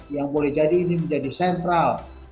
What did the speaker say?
yang boleh jadi ini menjadi sentral